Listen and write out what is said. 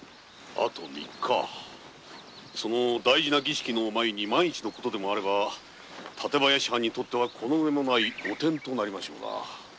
あと三日その大事な儀式を前に万一の事があれば館林藩にとってはこの上ない汚点となりましょう。